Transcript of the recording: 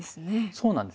そうなんですよ。